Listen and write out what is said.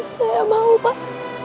saya mau pak